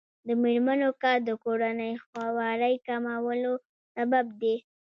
د میرمنو کار د کورنۍ خوارۍ کمولو سبب دی.